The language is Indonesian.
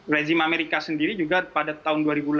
rezim amerika sendiri juga pada tahun dua ribu delapan belas